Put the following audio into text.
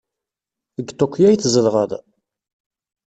Deg Tokyo ay tzedɣed?